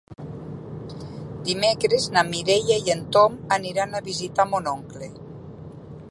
Dimecres na Mireia i en Tom aniran a visitar mon oncle.